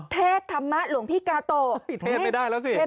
เทศทำมาห์หลวงพี่กาโตะไม่ได้แล้วสิ